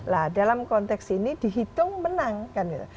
nah dalam konteks ini dihitung menang kan gitu